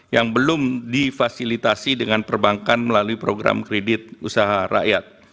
yang belum difasilitasi dengan perbankan melalui program kredit usaha rakyat